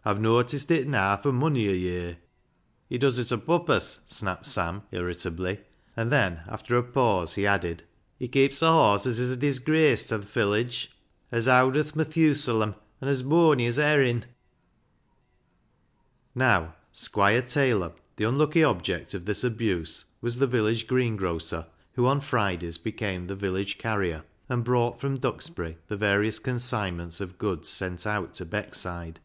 " Aw've noaticed it naa fur mony a ye'r." " He does it o' pupuss," snapped Sam irrit ably ; and then, after a pause, he added, " He keeps a horse as is a disgrace ta th' village. As owd as Mathusalam an' as booany as a herrin'." Now, Squire Taylor, the unlucky object of this abuse, was the village greengrocer, who on Fridays became the village carrier, and brought from Duxbury the various consignments of goods sent out to Beckside.